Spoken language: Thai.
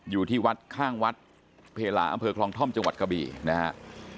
อยู่ที่วัดข้างวัดเพลาอำเภอคลองท่อมจังหวัดกะบี่นะครับ